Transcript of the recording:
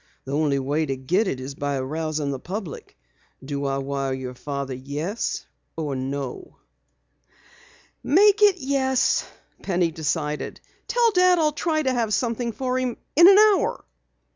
The only way to get it is by arousing the public. Do I wire your father 'yes' or 'no'?" "Make it 'yes,'" Penny decided. "Tell Dad I'll try to have something for him in an hour."